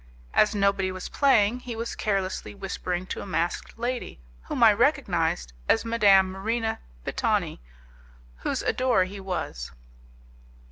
As nobody was playing, he was carelessly whispering to a masked lady, whom I recognized as Madame Marina Pitani, whose adorer he was.